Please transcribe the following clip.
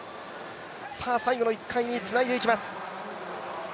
最後の１回につないでいきます。